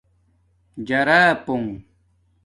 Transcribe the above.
جراپونݣ